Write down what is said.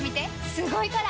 すごいから！